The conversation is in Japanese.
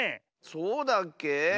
そうだっけ？